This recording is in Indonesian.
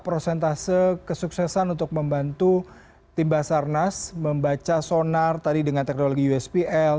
prosentase kesuksesan untuk membantu tim basarnas membaca sonar tadi dengan teknologi uspl